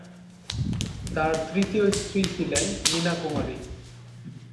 তার তৃতীয় স্ত্রী ছিলেন মিনা কুমারী।